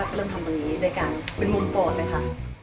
ก็เริ่มทำตรงนี้ด้วยกันเป็นมุมปอดเลยค่ะ